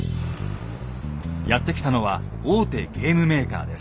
やって来たのは大手ゲームメーカーです。